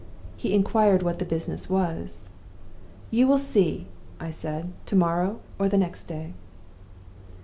He inquired what the business was. 'You will see,' I said, 'to morrow or next day.